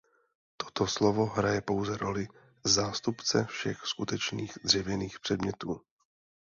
Toto slovo hraje pouze roli zástupce všech skutečných dřevěných předmětů.